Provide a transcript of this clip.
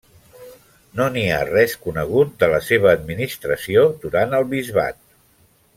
No n'hi ha res conegut de la seva administració durant el bisbat.